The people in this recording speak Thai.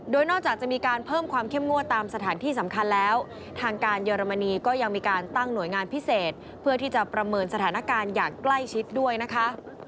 โดยนอกจากจะมีการเพิ่มความเข้มงวดตามสถานที่สำคัญแล้วทางการเยอรมนีก็ยังมีการตั้งหน่วยงานพิเศษเพื่อที่จะประเมินสถานการณ์อย่างใกล้ชิดด้วยนะคะ